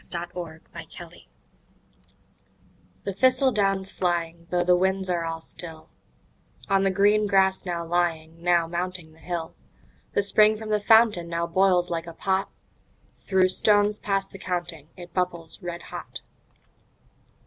Autumn The thistle down's flying, though the winds are all still, On the green grass now lying, now mounting the hill, The spring from the fountain now boils like a pot; Through stones past the counting it bubbles red hot.